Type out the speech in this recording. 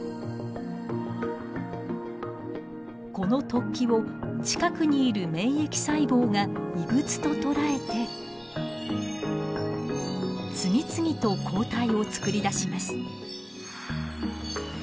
この突起を近くにいる免疫細胞が異物ととらえて次々と抗体を作り出します。